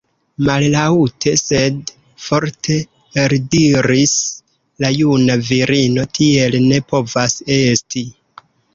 Mallaŭte sed forte eldiris la juna virino: tiel ne povas esti!